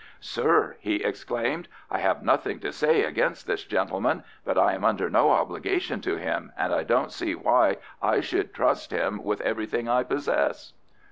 "Sir," he exclaimed, "I have nothing to say against this gentleman, but I am under no obligation to him, and I don't see why I should trust him with everything I possess."